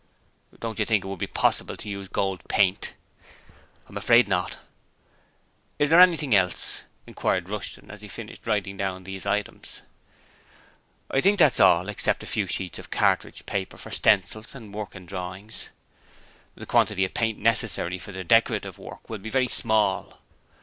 'Don't you think it would be possible to use gold paint?' 'I'm afraid not.' 'Is there anything else?' inquired Rushton as he finished writing down these items. 'I think that's all, except a few sheets of cartridge paper for stencils and working drawings. The quantity of paint necessary for the decorative work will be very small.'